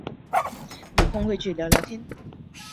有空会去聊聊天